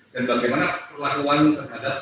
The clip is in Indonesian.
dan bagaimana perlakuan terhadap